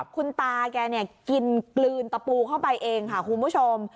คุณตาแกเนี่ยกินกลืนตะปูเข้าไปเองค่ะคุณผู้ชม